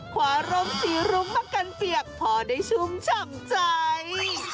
ความรมสีรุ้งมากันเปียกพอได้ชุ่มฉ่ำใจ